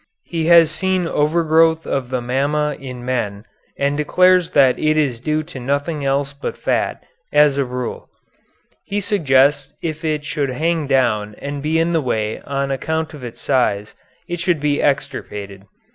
He has seen overgrowth of the mamma in men, and declares that it is due to nothing else but fat, as a rule. He suggests if it should hang down and be in the way on account of its size it should be extirpated.